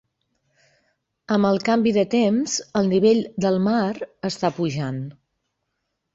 Amb el canvi de temps el nivell del mar està pujant.